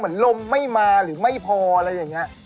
ลมไม่มาหรือไม่พออะไรอย่างนี้